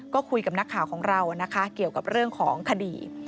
ก็คุยกับนักข่าวของเรานะคะเกี่ยวกับเรื่องของคดี